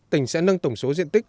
tỉnh sẽ nâng tổng số diện tích